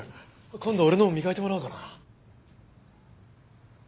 今度俺のも磨いてもらおうかな。